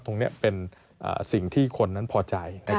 ตรงนี้เป็นสิ่งที่คนนั้นพอใจ